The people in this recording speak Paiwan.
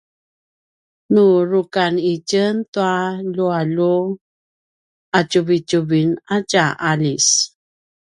nu rukan itjen tua ljualju ’atjuvitjuvin a tja aljis